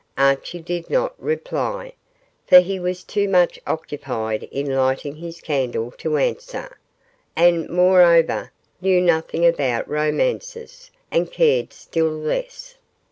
Archie did not reply, for he was too much occupied in lighting his candle to answer, and, moreover, knew nothing about romances, and cared still less.